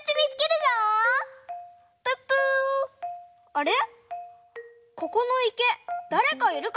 あれ？